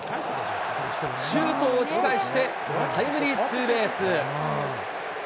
シュートを打ち返して、タイムリーツーベース。